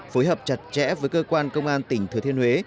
phối hợp chặt chẽ với cơ quan công an tỉnh thừa thiên huế